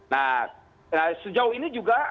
nah sejauh ini juga